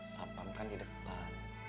satpam kan di depan